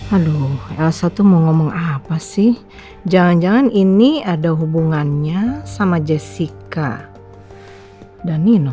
aduh satu mau ngomong apa sih jangan jangan ini ada hubungannya sama jessica dan nino